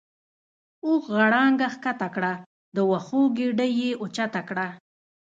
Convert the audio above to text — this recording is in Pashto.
اوښ غړانګه کښته کړه د وښو ګیډۍ یې اوچته کړه.